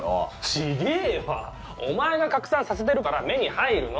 違ぇわお前が拡散させてるから目に入るの。